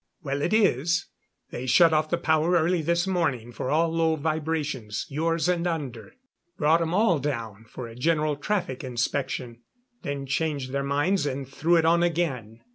"Well, it is. They shut off the power early this morning for all low vibrations yours and under. Brought 'em all down for a general traffic inspection. Then changed their minds and threw it on again.